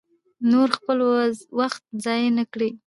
نور خپل وخت ضایع نه کړي.